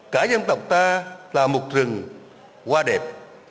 cả dân tộc ta là một rừng hoa đẹp